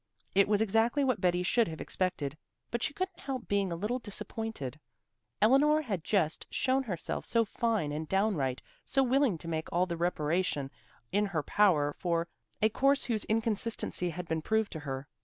It was exactly what Betty should have expected, but she couldn't help being a little disappointed. Eleanor had just shown herself so fine and downright, so willing to make all the reparation in her power for a course whose inconsistency had been proved to her.